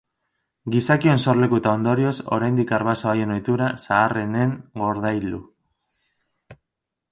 Gizakion sorleku eta ondorioz oraindik arbaso haien ohitura zaharrenen gordailu.